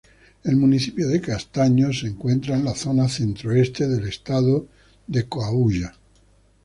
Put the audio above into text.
El municipio de Castaños se encuentra en la zona centro-este del estado de Coahuila.